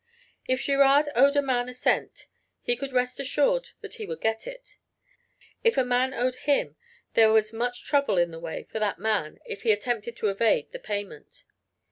If Girard owed a man a cent he could rest assured that he would get it; if a man owed him there was much trouble in the way for that man if he attempted to evade the payment.